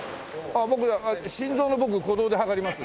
僕心臓の鼓動で計ります。